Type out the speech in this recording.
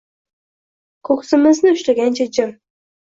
Ko’ksimizni ushlagancha jim